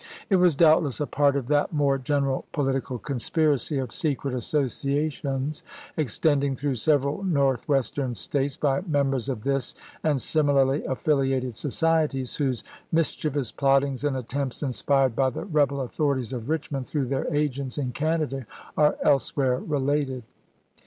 It was doubtless a part of that more general politi cal conspiracy of secret associations, extending through several Northwestern States, by members of this and similarly affiliated societies, whose mis chievous plottings and attempts, inspired by the rebel authorities at Eichmond through their agents in Canada, are elsewhere related.